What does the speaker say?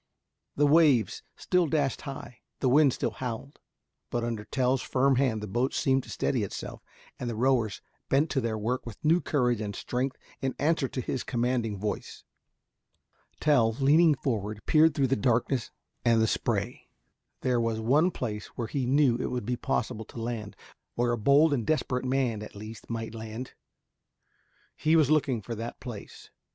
The waves still dashed high, the wind still howled, but under Tell's firm hand the boat seemed to steady itself, and the rowers bent to their work with new courage and strength in answer to his commanding voice. Tell, leaning forward, peered through the darkness and the spray. There was one place where he knew it would be possible to land where a bold and desperate man at least might land. He was looking for that place.